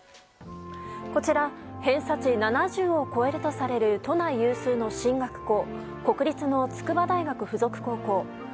こちら偏差値７０を超えるとされる都内有数の進学校国立の筑波大学附属高校。